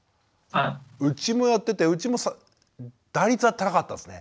うちもやっててうちも打率は高かったですね。